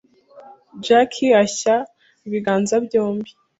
Jackie ashya ibiganza byombi